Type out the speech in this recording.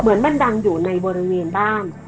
เหมือนมันดังอยู่ในบริเวณบ้าน